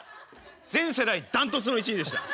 全世代断トツの１位でした！